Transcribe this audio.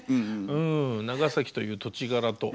うん長崎という土地柄と。